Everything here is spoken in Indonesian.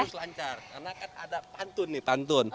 harus lancar karena kan ada pantun nih pantun